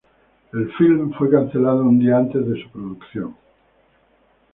El filme fue cancelado un día antes de su producción.